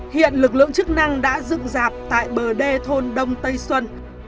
hiện lực lượng chức năng đã dựng dạp tại bờ đê thôn đông tây xuân